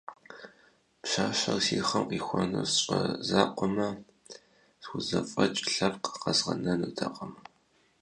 А пщащэр си хъым къихуэну сщӀэ закъуэмэ, схузэфӀэкӀ лъэпкъ къэзгъэнэнутэкъым.